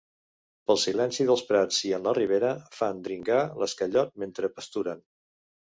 Pel silenci dels prats i en la ribera, fan dringar l'esquellot mentre pasturen.